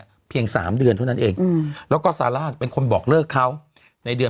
กลับไปเนี่ยเพียงสามเดือนเท่านั้นเองแล้วก็ซาร่าเป็นคนบอกเลิกเขาในเดือน